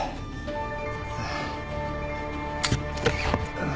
ああ。